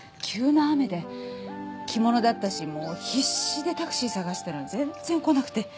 着物だったしもう必死でタクシー探したのに全然来なくて。